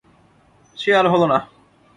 সে আর হল না।